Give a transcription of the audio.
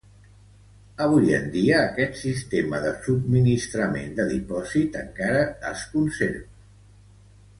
Avui en dia, aquest sistema de subministrament de dipòsit encara es conserva.